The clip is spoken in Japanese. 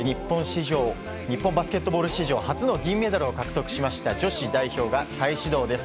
日本バスケットボール史上初の銀メダルを獲得した女子代表が再始動です。